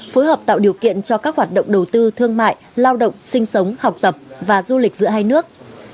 phối hợp tạo điều kiện cho các hoạt động đầu tư thương mại lao động sinh sống học tập và du lịch giữa hai nước